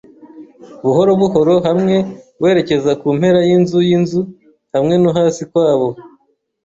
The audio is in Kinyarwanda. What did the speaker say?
buhoro buhoro hamwe werekeza kumpera yinzu yinzu, hamwe no hasi kwabo